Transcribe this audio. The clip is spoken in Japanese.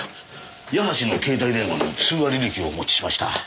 矢橋の携帯電話の通話履歴をお持ちしました。